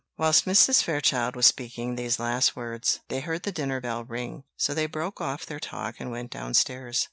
Whilst Mrs. Fairchild was speaking these last words, they heard the dinner bell ring; so they broke off their talk and went downstairs.